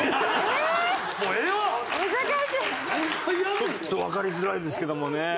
ちょっとわかりづらいですけどもね。